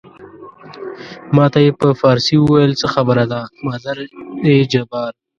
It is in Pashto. ما ته یې په فارسي وویل څه خبره ده مادر جبار.